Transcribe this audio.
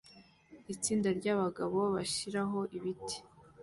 Itsinda ryabagabo bashiraho ibiti